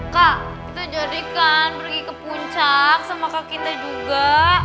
kak kita jadikan pergi ke puncak sama kak kita juga